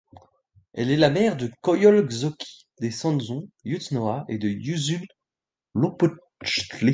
Elle est la mère de Coyolxauhqui, des Centzon Huitznaua, et de Huitzilopochtli.